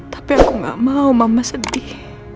tapi aku gak mau mama sedih